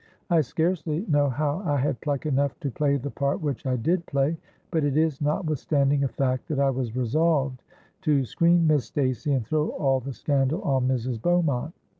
I scarcely know how I had pluck enough to play the part which I did play; but it is, notwithstanding, a fact that I was resolved to screen Miss Stacey, and throw all the scandal on Mrs. Beaumont.